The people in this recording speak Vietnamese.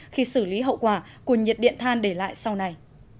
khi xử lý hậu quả của nhiệt điện than để lại sau này